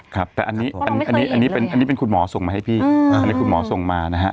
ครับแต่อันนี้เป็นคุณหมอส่งมาให้พี่อันนี้คุณหมอส่งมานะฮะ